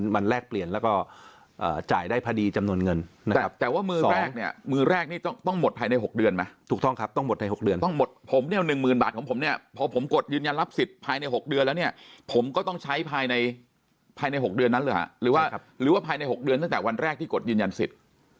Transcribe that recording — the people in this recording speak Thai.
หรือว่าภายใน๖เดือนตั้งแต่วันแรกที่กดยืนยันสิทธิ์